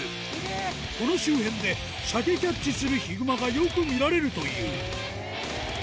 この周辺でシャケキャッチするヒグマがよく見られるという。